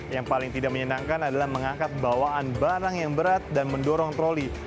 yang paling tidak menyenangkan adalah mengangkat bawaan barang yang berat dan mendorong troli